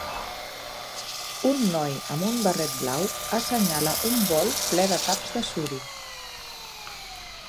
Un noi amb un barret blau assenyala un bol ple de taps de suro.